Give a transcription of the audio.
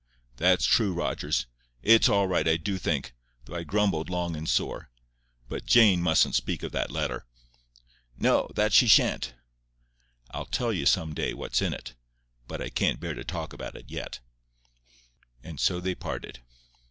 "That's true, Rogers. It's all right, I do think, though I grumbled long and sore. But Jane mustn't speak of that letter." "No. That she shan't." "I'll tell you some day what's in it. But I can't bear to talk about it yet." And so they parted.